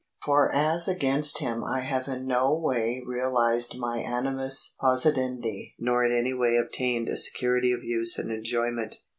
For as against him I have in no way realised my animus possidendi nor in any way obtained a security of use and enjoyment.